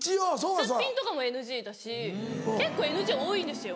すっぴんとかもＮＧだし結構ＮＧ多いんですよ。